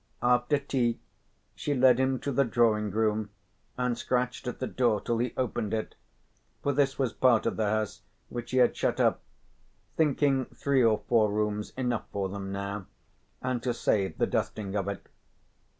After tea she led him to the drawing room and scratched at the door till he opened it, for this was part of the house which he had shut up, thinking three or four rooms enough for them now, and to save the dusting of it.